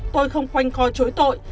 tôi không quanh co chối tội